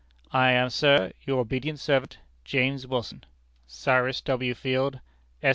"I am, sir, your obedient servant, "James Wilson. "Cyrus W. Field, Esq.